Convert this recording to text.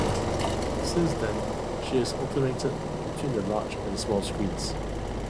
Since then, she has alternated between the large and small screens.